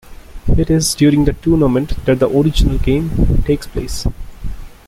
It is during the tournament that the original game takes place.